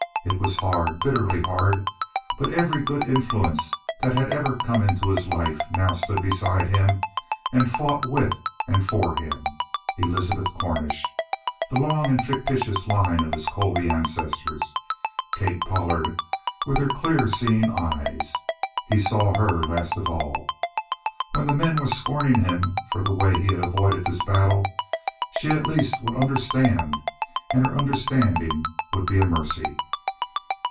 It was hard, bitterly hard, but every good influence that had ever come into his life now stood beside him and fought with and for him Elizabeth Cornish, the long and fictitious line of his Colby ancestors, Kate Pollard with her clear seeing eyes. He saw her last of all. When the men were scorning him for the way he had avoided this battle, she, at least, would understand, and her understanding would be a mercy.